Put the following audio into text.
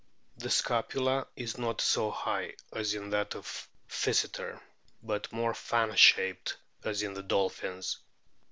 The scapula is not so high as is that of Physeter, but more fan shaped as in the dolphins.